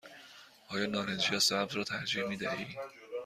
آیا نارنجی یا سبز را ترجیح می دهی؟